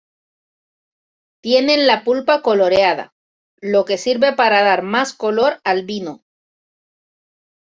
Tienen la pulpa coloreada, lo que sirve para dar más color al vino.